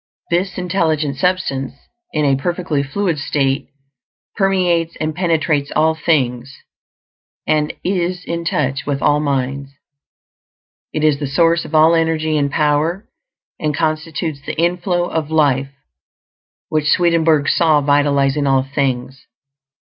This Intelligent Substance, in a perfectly fluid state, permeates and penetrates all things, and is in touch with all minds. It is the source of all energy and power, and constitutes the "inflow" of life which Swedenborg saw, vitalizing all things.